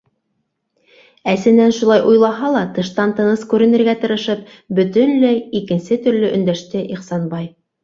Әсенән шулай уйлаһа ла тыштан тыныс күренергә тырышып, бөтөнләй икенсе төрлө өндәште Ихсанбай: